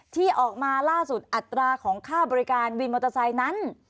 ที่ออกมาล่าสุดอัตราของค่าบริการวินมอเตอร์ไซค์นั้น